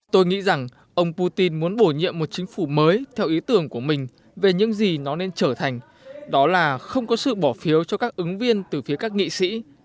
tôi nghĩ rằng ông putin muốn bổ nhiệm một chính phủ mới theo ý tưởng của mình về những gì nó nên trở thành đó là không có sự bỏ phiếu cho các ứng viên từ phía các nghị sĩ